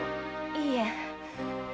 いいえ。